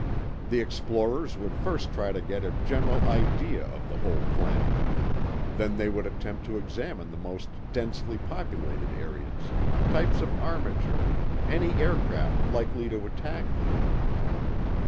The explorers would first try to get a general idea of the whole planet. Then they would attempt to examine the most densely populated areas, types of armature, any aircraft likely to attack them.